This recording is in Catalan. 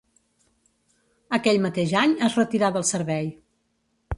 Aquell mateix any es retirà del servei.